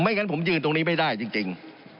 งั้นผมยืนตรงนี้ไม่ได้จริง